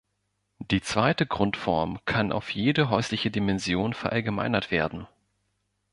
Die zweite Grundform kann auf jede häusliche Dimension verallgemeinert werden.